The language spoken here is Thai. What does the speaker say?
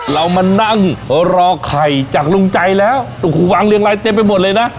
เรามานั่งรอไข่จากลุงใจแล้วโอ้โหวางเรียงรายเต็มไปหมดเลยนะ